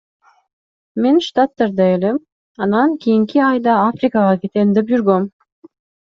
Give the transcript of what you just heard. Мен Штаттарда элем, анан кийинки айда Африкага кетем деп жүргөм.